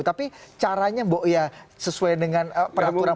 tapi caranya sesuai dengan peraturan perundangan